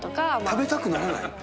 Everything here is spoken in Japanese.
食べたくならない？